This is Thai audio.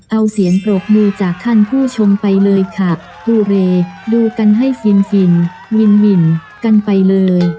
เอาเสียงปรบมือจากท่านผู้ชมไปเลยค่ะกูเรดูกันให้ฟินฟินวินกันไปเลย